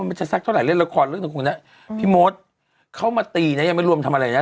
มันจะสักเท่าไหเล่นละครเรื่องหนึ่งคงนะพี่มดเขามาตีนะยังไม่รวมทำอะไรนะ